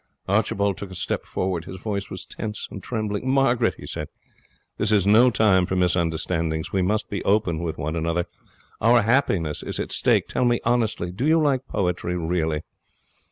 Archibald took a step forward. His voice was tense and trembling. 'Margaret,' he said, 'this is no time for misunderstandings. We must be open with one another. Our happiness is at stake. Tell me honestly, do you like poetry really?'